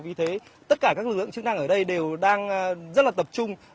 vì thế tất cả các lực lượng chức năng ở đây đều đang rất là tập trung